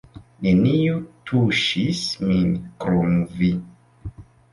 Neniu tuŝis min krom vi!